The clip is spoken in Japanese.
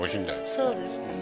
そうですか。